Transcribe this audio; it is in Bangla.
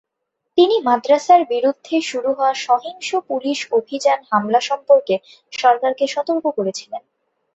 তিনি মাদ্রাসার বিরুদ্ধে শুরু হওয়া সহিংস পুলিশ অভিযান হামলা সম্পর্কে সরকারকে সতর্ক করেছিলেন।